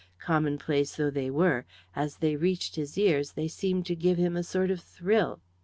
Commonplace though they were, as they reached his ears they seemed to give him a sort of thrill.